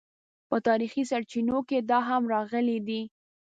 په تاریخي سرچینو کې دا هم راغلي دي.